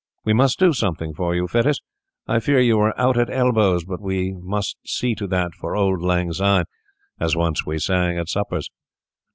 We must do something for you, Fettes. I fear you are out at elbows; but we must see to that for auld lang syne, as once we sang at suppers.